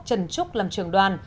trần trúc làm trường đoàn